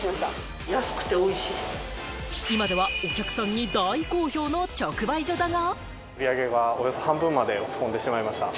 今ではお客さんに大好評の直売所だが。